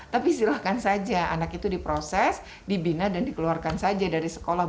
tapi silahkan saja anak itu diproses dibina dan dikeluarkan saja dari sekolah